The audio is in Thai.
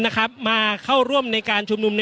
อย่างที่บอกไปว่าเรายังยึดในเรื่องของข้อ